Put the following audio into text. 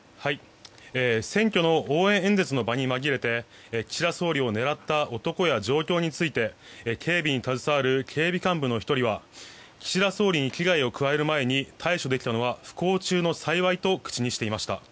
選挙の応援演説の場に紛れて岸田総理を狙った男や状況について警備に携わる警備幹部の１人は岸田総理に危害を加える前に対処できたのは、不幸中の幸いと口にしていました。